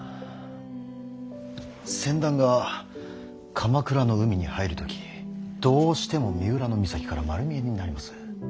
船団が鎌倉の海に入る時どうしても三浦の岬から丸見えになります。